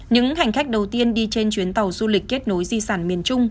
những hành khách đầu tiên đi trên chuyến tàu du lịch kết nối di sản miền trung